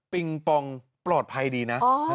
งปองปลอดภัยดีนะ